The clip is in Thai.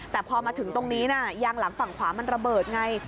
แต่พอมาถึงตรงนี้นะยางหลังฝั่งขวามันระเบิดไง